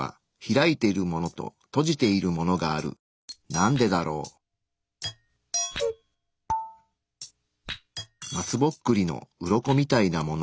なんでだろう？松ぼっくりのウロコみたいなもの。